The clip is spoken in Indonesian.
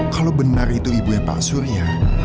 kalau benar itu ibunya pak surya